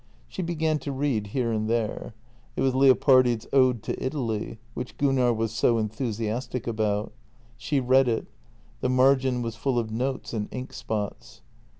She began to read here and there. It was Leopardi's " Ode to Italy," which Gunnar was so enthusiastic about. She read it. The margin was full of notes and ink spots.